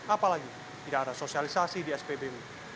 apalagi tidak ada sosialisasi di spbu